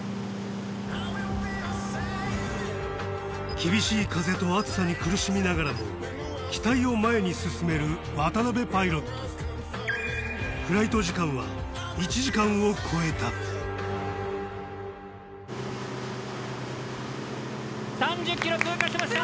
厳しい風と暑さに苦しみながらも機体を前に進める渡パイロットフライト時間は１時間を超えた３０ｋｍ通過しました。